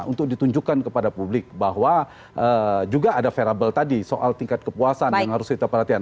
untuk ditunjukkan kepada publik bahwa juga ada variable tadi soal tingkat kepuasan yang harus kita perhatikan